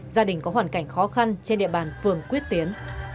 gia đình có hoàn cảnh khó khăn trên địa bàn phường quyết tiến